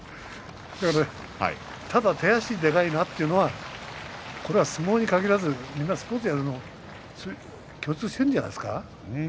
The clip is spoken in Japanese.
ただ手足がでかいなというのは相撲に限らずみんなスポーツをやるのに共通しているんじゃないですか。